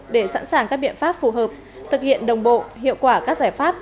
để sẵn sàng các biện pháp phù hợp thực hiện đồng bộ hiệu quả các giải pháp